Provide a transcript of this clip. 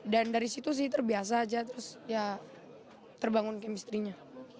dan dari situ sih terbiasa aja terus ya terbangun kemistrinya